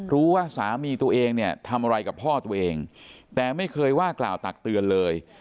รู้ว่าสามีตัวเองเนี่ยทำอะไรกับพ่อตัวเองแต่ไม่เคยว่ากล่าวตักเตือนเลย